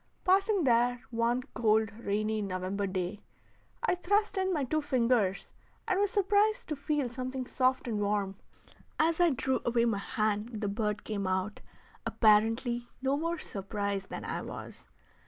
Passing there one cold, rainy November day, I thrust in my two fingers and was surprised to feel something soft and warm: as I drew away my hand the bird came out, apparently no more surprised than I was.